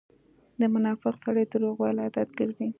د منافق سړی درواغ وويل عادت ګرځئ.